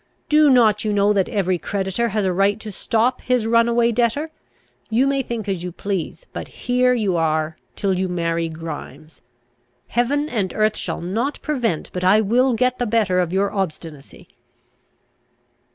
Do not you know that every creditor has a right to stop his runaway debtor. You may think as you please; but here you are till you marry Grimes. Heaven and earth shall not prevent but I will get the better of your obstinacy!"